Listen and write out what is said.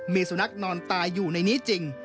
มีสุนัขนอนตายอยู่ในนี้จริง